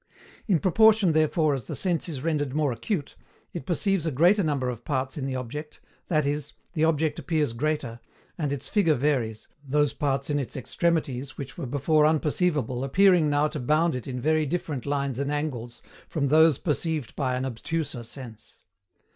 In proportion therefore as the sense is rendered more acute, it perceives a greater number of parts in the object, that is, the object appears greater, and its figure varies, those parts in its extremities which were before unperceivable appearing now to bound it in very different lines and angles from those perceived by an obtuser sense.